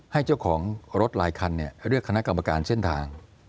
ให้เจ้าของรถหลายคันเรียกคณะกรรมการเส้นทาง